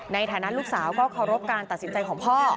ในฐานะลูกสาวก็เคารพการตัดสินใจของพ่อ